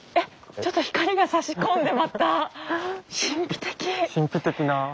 ちょっと光がさし込んでまた神秘的。